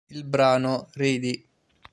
Il brano "Ready!